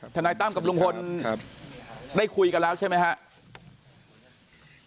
ทนายตั้มกับลุงพลได้คุยกันแล้วใช่ไหมครับ